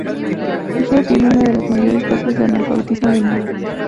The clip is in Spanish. Níger tiene una de las mayores tasas de analfabetismo del mundo.